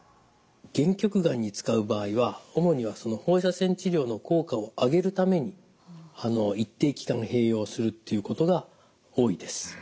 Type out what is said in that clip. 限局がんに使う場合は主には放射線治療の効果を上げるために一定期間併用するということが多いです。